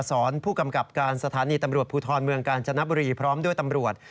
ผู้กำกับการสถานีตำรวจภูทรเมืองกาญจนบุรีพร้อมด้วยตำรวจ